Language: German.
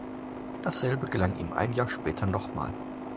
Dasselbe gelang ihm ein Jahr später nochmal.